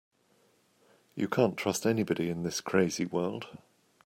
You can't trust anybody in this crazy world.